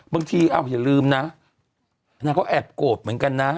บางทีอย่าลืมนะนางก็แอบโกรธเหมือนกันนะ